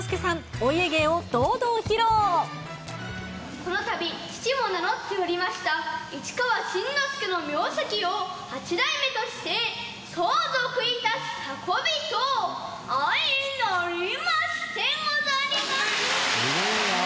お家芸このたび、父も名乗っておりました市川新之助の名跡を八代目として相続いたす運びと相成りましてござりまする。